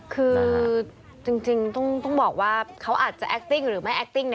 คือจริงต้องบอกว่าเขาอาจจะแอคติ้งหรือไม่แคคติ้ง